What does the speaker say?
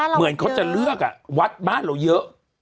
เหมือนเขาจะเลือกวัดบ้านเราเยอะ